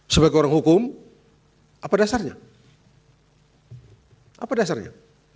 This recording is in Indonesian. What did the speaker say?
sebagai orang hukum apa dasarnya apa dasarnya